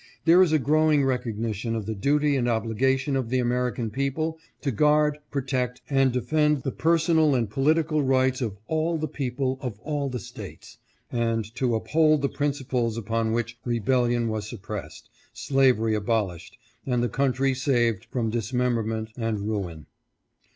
There is a growing recognition of the duty and obligation of the American people to guard, protect, and defend the personal and political rights of all the people of all the States, and to uphold the principles upon which rebellion was suppressed, slavery abolished, and the country saved from dismemberment and ruin.